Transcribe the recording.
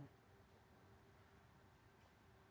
pemirsa bnn mengucapkan kebenaran